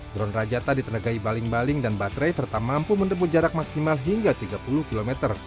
drone rajata ditenegai baling baling dan baterai serta mampu menempuh jarak maksimal hingga tiga puluh km